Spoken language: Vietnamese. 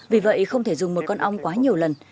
vì vậy không thể dùng một con ong quá nhiều lần